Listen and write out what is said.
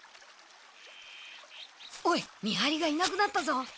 おい見はりがいなくなったぞ！